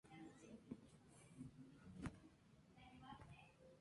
El juego cuenta con sonidos realistas y las voces de la película.